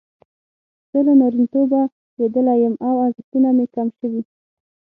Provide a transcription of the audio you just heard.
زه له نارینتوبه لویدلی یم او ارزښتونه مې کم شوي.